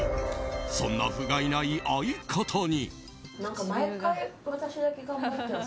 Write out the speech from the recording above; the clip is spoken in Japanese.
そんな、ふがいない相方に。